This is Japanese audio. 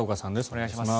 お願いします。